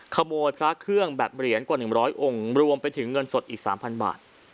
พระเครื่องแบบเหรียญกว่า๑๐๐องค์รวมไปถึงเงินสดอีก๓๐๐บาท